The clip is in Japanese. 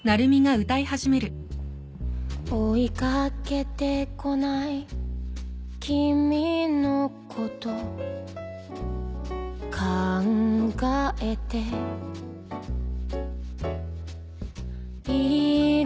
「追いかけてこないキミのこと」「考えているよ」